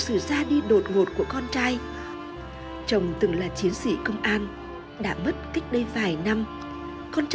sự ra đi đột ngột của con trai chồng từng là chiến sĩ công an đã mất cách đây vài năm con